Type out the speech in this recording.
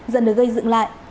dần được gây dựng lại